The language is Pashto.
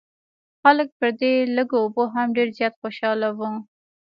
خلک پر دې لږو اوبو هم ډېر زیات خوشاله وو.